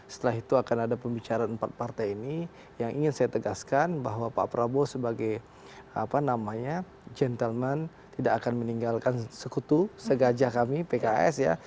setelah itu akan ada pembicaraan empat partai ini yang ingin saya tegaskan bahwa pak prabowo sebagai apa namanya gentleman tidak akan meninggalkan sekutu segaja kami pks ya